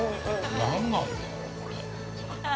何なんだろう、これ。